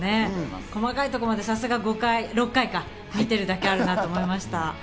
細かいところまで、さすが６回見てるだけあるなと思いました。